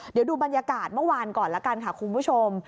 เดี๋ยวดูบรรยากาศเมื่อวานก่อนละกันค่ะคุณผู้ชม